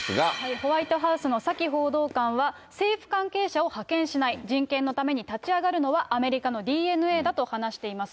ホワイトハウスのサキ報道官は、政府関係者を派遣しない、人権のために立ち上がるのは、アメリカのＤＮＡだと話しています。